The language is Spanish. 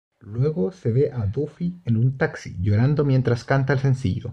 Luego, se ve a Duffy, en un taxi, llorando mientras canta el sencillo.